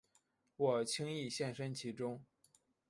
我轻易陷身其中